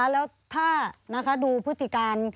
แล้วถ้าดูพฤติการ